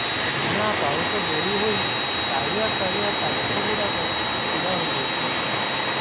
ନିଆଁ ପାଉଁଶ ବୋଳି ହୋଇ କାଳିଆ କାଳିଆ କାନ୍ଥଗୁଡ଼ାକ ଛିଡ଼ା ହୋଇଅଛି ।